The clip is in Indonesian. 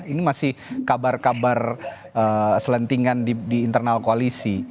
ini masih kabar kabar selentingan di internal koalisi